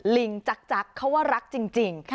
ลิงจักรเขาว่ารักจริง